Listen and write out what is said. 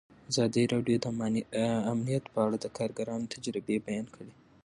ازادي راډیو د امنیت په اړه د کارګرانو تجربې بیان کړي.